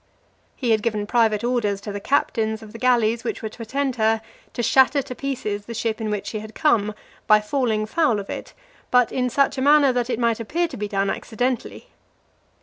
He had given private orders to the captains of the galleys which were to attend her, to shatter to pieces the ship in which she had come, by falling foul of it, but in such manner that it might appear to be done accidentally.